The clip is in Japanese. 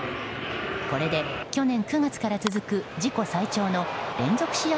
これで去年９月から続く自己最長の連続試合